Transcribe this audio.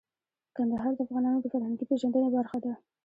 کندهار د افغانانو د فرهنګي پیژندنې برخه ده.